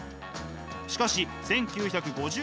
しかし１９５０年代。